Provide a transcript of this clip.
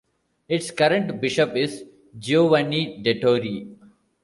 Its current bishop is Giovanni Dettori.